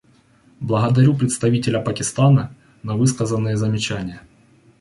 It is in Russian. Благодарю представителя Пакистана на высказанные замечания.